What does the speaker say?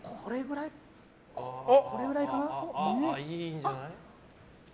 いいんじゃない？